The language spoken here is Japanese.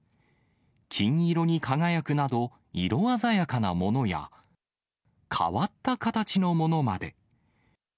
金色に輝くなど、色鮮やかなものや、変わった形のものまで。